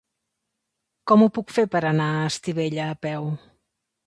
Com ho puc fer per anar a Estivella a peu?